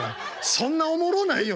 そんなおもろないよ